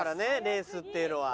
レースっていうのは。